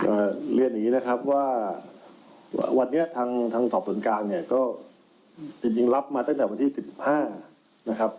เรียนอย่างงี้นะครับว่าวันนี้ทางทางสอบส่วนกลางเนี่ยก็จริงจริงรับมาตั้งแต่วันที่สิบห้านะครับ